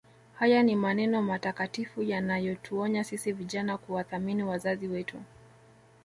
Haya ni maneno matakatifu yanayotuonya sisi vijana kuwathamini wazazi wetu